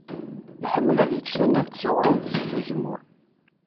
Iḥemmel ad icc tanalt s uɣrum d zzit n uzemmur.